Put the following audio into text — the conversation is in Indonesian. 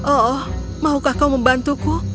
oh oh mahukah kau membantuku